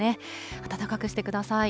暖かくしてください。